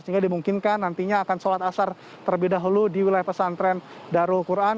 sehingga dimungkinkan nantinya akan sholat asar terlebih dahulu di wilayah pesantren darul quran